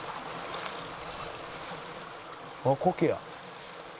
「あっコケや」